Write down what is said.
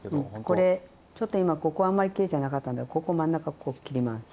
これちょっと今ここあんまりきれいじゃなかったんでここ真ん中こう切ります。